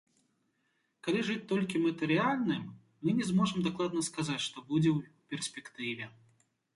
Калі жыць толькі матэрыяльным, мы не зможам дакладна сказаць, што будзе ў перспектыве.